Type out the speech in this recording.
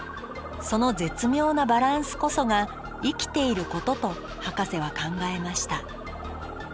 その絶妙なバランスこそが生きていることとハカセは考えました